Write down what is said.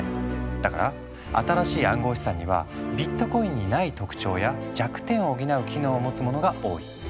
だから新しい暗号資産にはビットコインにない特徴や弱点を補う機能を持つものが多い。